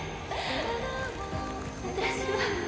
私は。